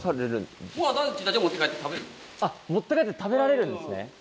あっ持って帰って食べられるんですね。